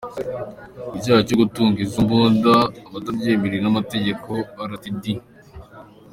Ku cyaha cyo gutunga izo mbunda atabyemerewe n’amategeko, Rtd.